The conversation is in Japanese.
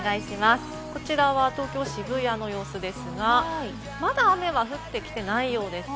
こちらは東京・渋谷の様子ですが、まだ雨は降ってきてないようですね。